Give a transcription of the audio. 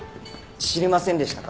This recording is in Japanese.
知りませんでしたか？